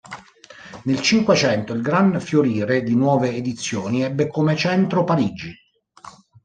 Nel cinquecento il gran fiorire di nuove edizioni ebbe come centro Parigi.